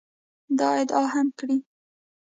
دا ادعا یې هم کړې